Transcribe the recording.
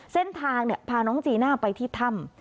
เส้นทางพาน้องจีน่าไปที่ถ้ำ